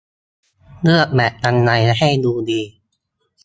เลือกแมตช์ยังไงให้ดูดี